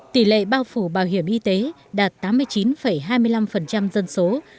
tỷ lệ bao phủ bảo hiểm y tế đạt tám mươi chín hai mươi năm dân số